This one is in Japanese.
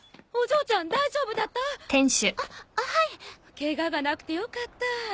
ケガがなくてよかった。